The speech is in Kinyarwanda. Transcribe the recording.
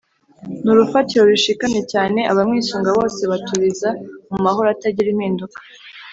ni urufatiro rushikamye cyane abamwisunga bose baturiza mu mahoro atagira impinduka